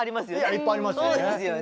いっぱいありますよね。